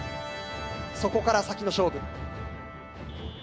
そこから先の勝負。